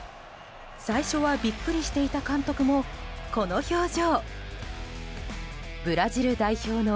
最初はビックリしていた監督もこの表情。